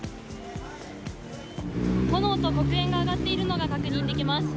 炎と黒煙が上がっているのが確認できます。